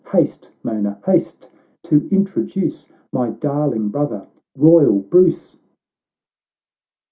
— Haste, Mona, haste, to introduce My darling brother, royal Bruce